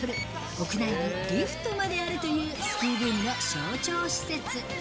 屋内にリフトまであるという、スキーブームの象徴施設。